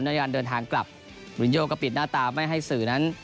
ในการเดินทางกลับรุนโยก็ปิดหน้าตาไม่ให้สื่อนั้น